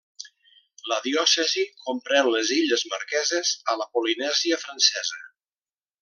La diòcesi comprèn les illes Marqueses, a la Polinèsia francesa.